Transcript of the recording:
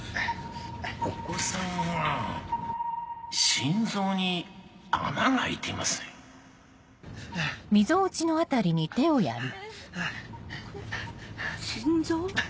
お子さんは心臓に穴が開いていますねえっ心臓？